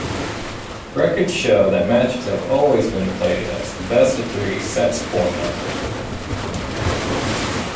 Records show that matches have always been played as the best-of-three sets format.